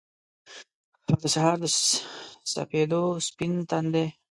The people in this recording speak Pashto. او دسهار دسپیدو ، سپین تندی